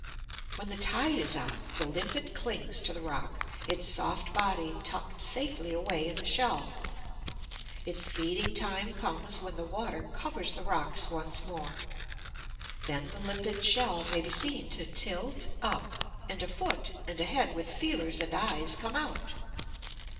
When the tide is out, the Limpet clings to the rock, its soft body tucked safely away in the shell. Its feeding time comes when the water covers the rocks once more. Then the Limpet's shell may be seen to tilt up, and a foot, and a head with feelers and eyes, come out.